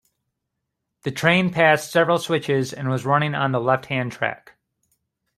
The train passed several switches and was running on the left-hand track.